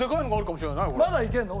まだいけるの？